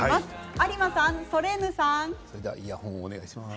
有馬さん、ソレーヌさん。